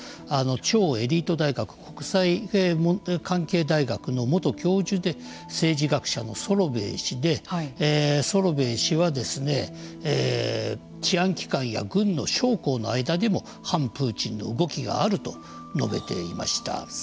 超エリート大学・国際関係大学の元教授で政治学者のソロベイ氏でソロベイ氏は治安機関や軍の将校の間にも反プーチンの動きがあると述べていました。